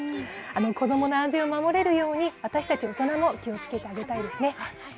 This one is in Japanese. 子どもの安全を守れるように、私たち大人も気をつけてあげたいですね。